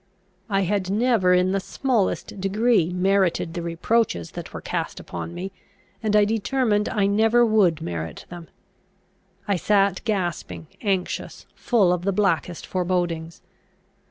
I had never in the smallest degree merited the reproaches that were east upon me; and I determined I never would merit them. I sat gasping, anxious, full of the blackest forebodings.